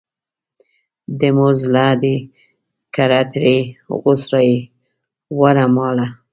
د مور زړه دې کړه ترې غوڅ رایې وړه ماله.